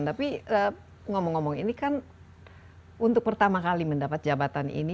tapi ngomong ngomong ini kan untuk pertama kali mendapat jabatan ini